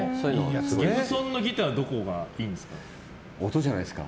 ギブソンのギターはどこがいいんですか？